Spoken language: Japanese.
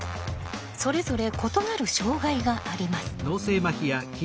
それぞれ異なる障害があります。